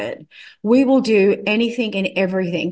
kita akan melakukan segala galanya